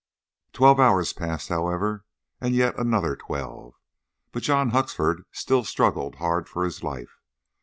Twelve hours passed, however, and yet another twelve, but John Huxford still struggled hard for his life.